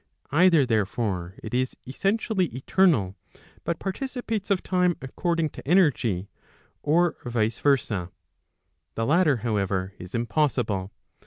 Either therefore, it is essentially eternal, [but participates of time according to energy,'] or vice versa. The latter however, is impossible.